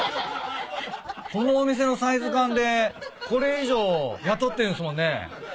このお店のサイズ感でこれ以上雇ってるんすもんね。